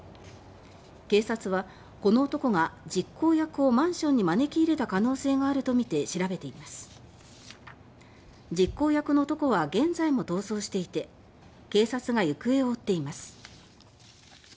警察は、この男が実行役をマンションに招き入れた可能性があるとみて調べています実行役の男は現在も逃走していて警察が行方を追っています。